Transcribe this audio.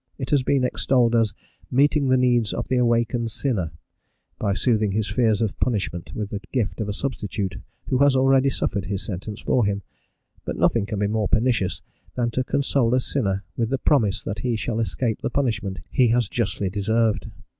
It has been extolled as "meeting the needs of the awakened sinner" by soothing his fears of punishment with the gift of a substitute who has already suffered his sentence for him; but nothing can be more pernicious than to console a sinner with the promise that he shall escape the punishment he has justly deserved.